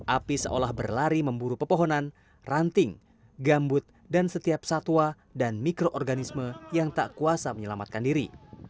api seolah berlari memburu pepohonan ranting gambut dan setiap satwa dan mikroorganisme yang tak kuasa menyelamatkan diri